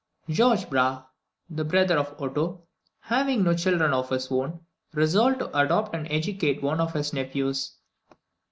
George Brahe, the brother of Otto, having no children of his own, resolved to adopt and to educate one of his nephews.